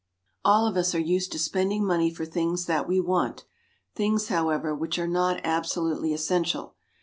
All of us are used to spending money for things that we want, things, however, which are not absolutely essential.